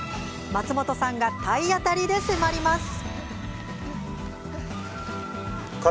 松本さんが体当たりで迫ります。